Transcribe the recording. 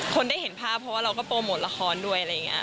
คนได้เห็นภาพเพราะว่าเราก็โปรโมทละครด้วยอะไรอย่างนี้